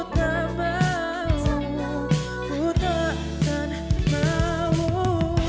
tak mau ku tak akan mau